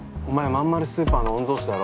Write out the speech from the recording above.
まんまるスーパーの御曹司だろ？